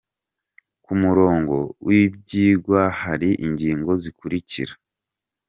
Ku murongo w’ibyigwa hari ingingo zikurikira :